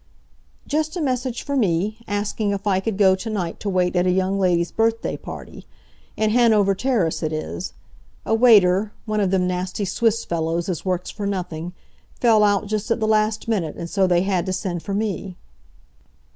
"Just a message for me, asking if I could go to night to wait at a young lady's birthday party. In Hanover Terrace it is. A waiter—one of them nasty Swiss fellows as works for nothing—fell out just at the last minute and so they had to send for me."